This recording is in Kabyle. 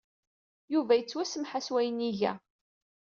Yuba yettwasemmeḥ-as wayen iga.